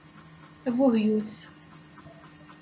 Abuhyut!